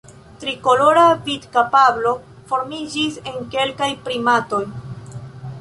Trikolora vidkapablo formiĝis en kelkaj primatoj.